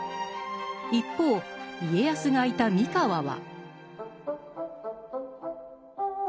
一方家康がいた三河は。